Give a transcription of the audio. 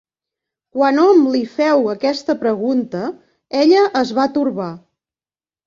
Quan hom li feu aquesta pregunta, ella es va torbar.